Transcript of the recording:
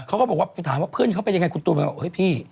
เขาก็ถามว่าเพื่อนเขาไปยังไงคุณตูนบอกว่าเฮ้ยพี่